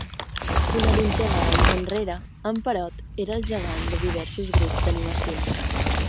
Una vintena d'anys enrere, en Perot era el gegant de diversos grups d'animació.